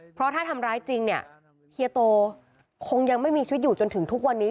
เพราะถ้าทำร้ายจริงเนี่ยเฮียโตคงยังไม่มีชีวิตอยู่จนถึงทุกวันนี้